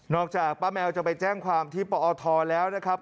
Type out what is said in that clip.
จากป้าแมวจะไปแจ้งความที่ปอทแล้วนะครับ